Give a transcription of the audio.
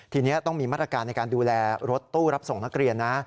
ทีนี้ต้องมีมาตรการในการดูแลรถตู้รับส่งนักเรียนนะ